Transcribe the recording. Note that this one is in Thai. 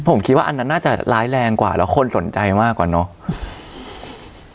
ผมคิดว่าอันนั้นน่าจะร้ายแรงกว่าแล้วคนสนใจมากกว่าเนอะ